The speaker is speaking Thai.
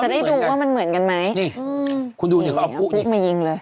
จะได้ดูว่ามันเหมือนกันไหมนี่คุณดูเนี่ยเค้าเอาผู้นี่เอาผู้มายิงเลย